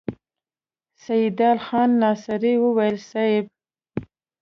سيدال خان ناصري وويل: صېب!